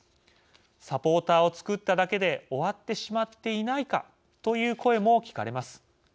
「サポーターを作っただけで終わってしまっていないか」という声も聞かれます。